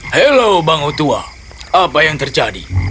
halo bangau tua apa yang terjadi